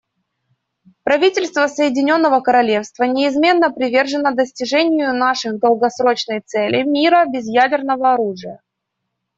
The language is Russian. Правительство Соединенного Королевства неизменно привержено достижению нашей долгосрочной цели − мира без ядерного оружия.